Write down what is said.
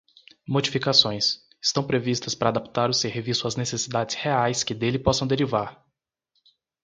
Modificações: estão previstas para adaptar o serviço às necessidades reais que dele possam derivar.